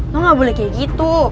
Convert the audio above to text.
lo gak boleh kayak gitu